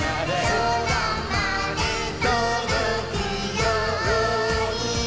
「そらまでとどくように」